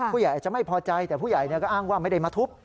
ผู้ใหญ่อาจจะไม่พอใจแต่ผู้ใหญ่ก็อ้างว่าไม่ได้มาทุบ